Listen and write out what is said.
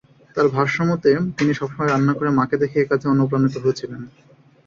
তাঁর ভাষ্যমতে তিনি সবসময় রান্নাঘরে মাকে দেখে একাজে অনুপ্রাণিত হয়েছিলেন।